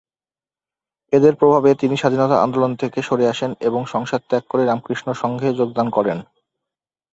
এঁদের প্রভাবে তিনি স্বাধীনতা আন্দোলন থেকে সরে আসেন এবং সংসার ত্যাগ করে রামকৃষ্ণ সংঘে যোগদান করেন।